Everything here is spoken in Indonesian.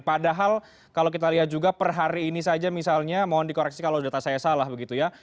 padahal kalau kita lihat juga per hari ini saja misalnya mohon dikoreksi kalau data saya salah begitu ya